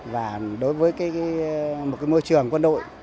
và đối với một môi trường quân đội